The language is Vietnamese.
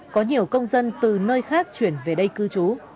có nhiều công dân từ nơi khác chuyển về đây cư trú